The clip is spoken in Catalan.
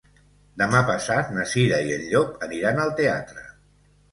Demà passat na Cira i en Llop aniran al teatre.